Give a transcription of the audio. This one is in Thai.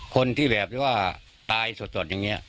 คนที่แบบที่ว่าตายสดอย่างนี้